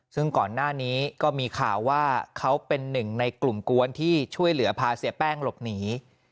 ซึ่งก่อนหน้านี้ก็มีข่าวว่าเขาเป็นหนึ่งในกลุ่มกวนที่ช่วยเหลือพาเสียแป้งหลบหนี